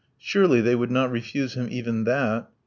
Surely they would not refuse him even that?